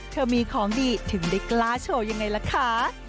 เธอมีของดีถึงได้กล้าโชว์ยังไงล่ะคะ